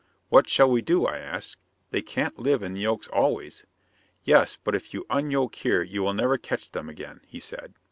"What shall we do?" I asked. "They can't live in the yoke always." "Yes, but if you unyoke here you will never catch them again," he said.